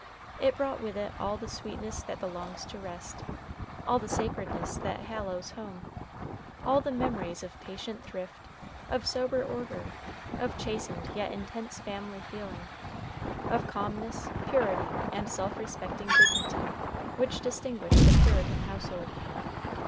It brought with it all the sweetness that belongs to rest, all the sacredness that hallows home, all the memories of patient thrift, of sober order, of chastened yet intense family feeling, of calmness, purity, and self respecting dignity which distinguish the Puritan household.